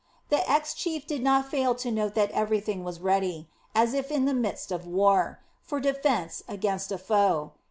The ex chief did not fail to note that everything was ready, as if in the midst of war, for defence against a foe.